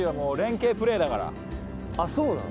あっそうなの？